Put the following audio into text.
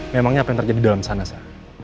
memangnya apa yang terjadi dalam sana